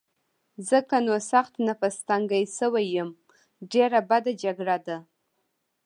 ځکه نو سخت نفس تنګی شوی یم، ډېره بده جګړه ده.